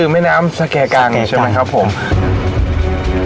แม่น้ำสแก่กังใช่ไหมครับผม